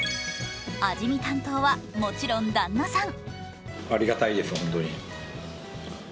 味見担当は、もちろん旦那さん。